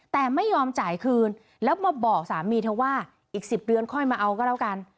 แต่ไม่ยอมจ่ายคืนแล้วมาบอกสามีเธอว่าอีก๑๐เดือนค่อยมาเอาก็แล้วกัน